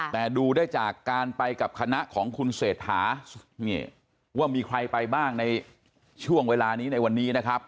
แต่ดูได้จากการไปกับคณะของคุณเศรษฐาว่ามีใครไปบ้างในช่วงเวลานี้ในวันนี้นะครับ